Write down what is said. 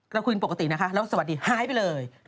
เราคุยปกตินะคะแล้วสวัสดีหายไปเลย